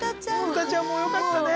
ブタちゃんもよかったね。